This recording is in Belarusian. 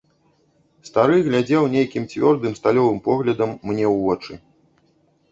Стары глядзеў нейкім цвёрдым сталёвым поглядам мне ў вочы.